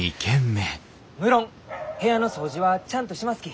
無論部屋の掃除はちゃんとしますき。